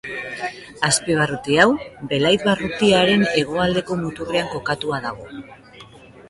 Azpibarruti hau, Belait barrutiaren hegoaldeko muturrean kokatua dago.